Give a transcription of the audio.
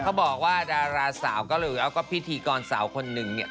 เขาบอกว่าดาราสาวก็เราก็ดาราประถีสาวคนหนึ่งเนี่ย